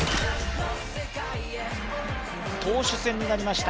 投手戦になりました